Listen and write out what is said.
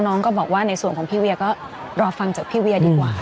น้องก็บอกว่าในส่วนของพี่เวียก็รอฟังจากพี่เวียดีกว่า